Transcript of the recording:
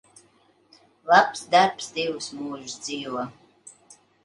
Labs darbs divus mūžus dzīvo.